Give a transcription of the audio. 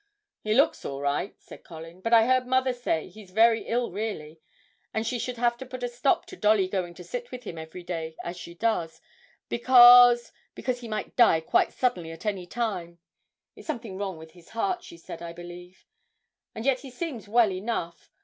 'He looks all right,' said Colin, 'but I heard mother say that he's very ill really, and she should have to put a stop to Dolly going to sit with him every day as she does, because because he might die quite suddenly at any time it's something wrong with his heart, she said, I believe. And yet he seems well enough.